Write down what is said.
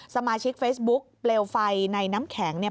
สมาชิกเฟซบุ๊กเปลวไฟในน้ำแข็งเนี่ย